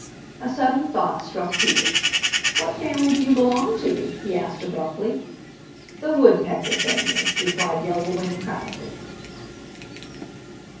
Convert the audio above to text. A sudden thought struck Peter. "What family do you belong to?" He asked abruptly. "The Woodpecker family," replied Yellow Wing proudly.